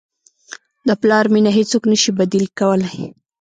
د پلار مینه هیڅوک نه شي بدیل کولی.